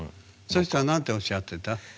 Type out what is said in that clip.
そしたら何ておっしゃってた？